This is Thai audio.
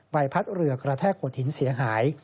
ใบพัดเรือกระแทกขดหินเสียหาย